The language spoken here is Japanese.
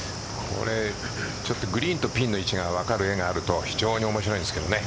ちょっとグリーンとピンの位置が分かる絵があると非常に面白いんですけどね。